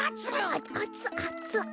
ああつあつ。